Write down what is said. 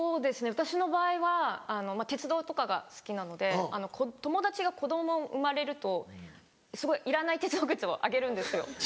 私の場合は鉄道とかが好きなので友達が子供生まれるといらない鉄道グッズをあげるんですよ。